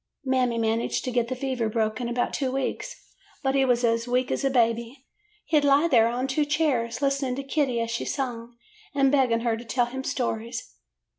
"Mammy managed to get the fever broke in about two weeks, but he was as weak as a baby. He 'd lie there on two chairs, listening to Kitty as she sung, and begging her to tell him stories.